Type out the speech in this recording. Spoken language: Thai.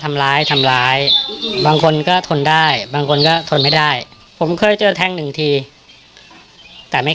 ทำร้ายทำร้ายบางคนก็ทนได้บางคนก็ทนไม่ได้ผมเคยเจอแทงหนึ่งทีแต่ไม่